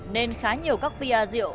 nên khá nhiều các pr rượu